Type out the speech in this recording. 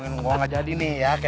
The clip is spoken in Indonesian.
kita mau buka mobil jah cu